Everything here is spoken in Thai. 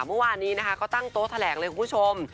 เมื่อวานนี้นะคะก็ตั้งโต๊ะแถลงเลยคุณผู้ชม